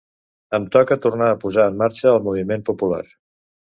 Ens toca tornar a posar en marxa el moviment popular.